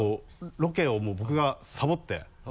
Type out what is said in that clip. ロケをもう僕がサボって。